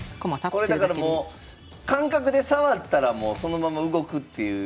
これだからもう感覚で触ったらもうそのまま動くっていう。